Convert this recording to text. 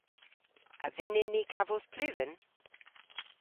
A vynnyn ni kavos pluven?